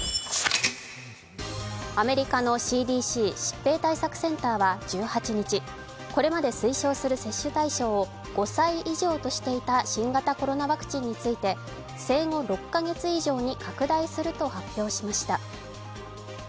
アメリカのＣＤＣ＝疾病対策センターは１８日、これまで推奨する接種対象を５歳以上としていた新型コロナワクチンについて生後６カ月以上に拡大すると発表しました。